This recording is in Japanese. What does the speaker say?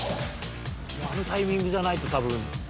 あのタイミングじゃないと多分タイム。